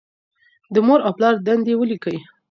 د مور او پلار دندې ولیکئ.